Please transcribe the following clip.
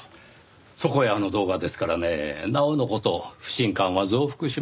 そこへあの動画ですからねなおの事不信感は増幅します。